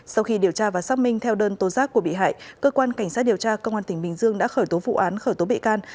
sau khi điều tra và xác minh theo đơn tố giác của bị hại cơ quan cảnh sát điều tra công an tỉnh bình dương đã khởi tố vụ án khởi tố bị can